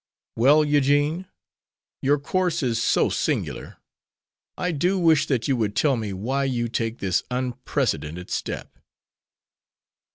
"Well, Eugene, your course is so singular! I do wish that you would tell me why you take this unprecedented step?"